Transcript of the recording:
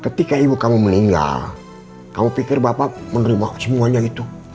ketika ibu kamu meninggal kamu pikir bapak menerima semuanya itu